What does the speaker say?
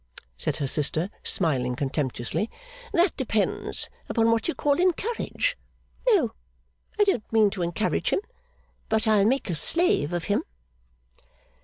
said her sister, smiling contemptuously, 'that depends upon what you call encourage. No, I don't mean to encourage him. But I'll make a slave of him.